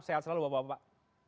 sehat selalu bapak bapak